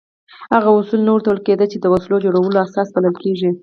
هغه اصول نه ورته ویل کېده چې د وسلو جوړولو اساس بلل کېږي.